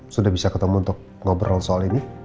sudah bisa ketemu untuk ngobrol soal ini